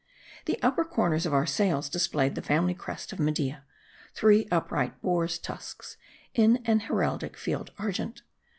The upper corners of our sails displayed the family crest of Media ; three upright boars' tusks, in an heraldic field argent.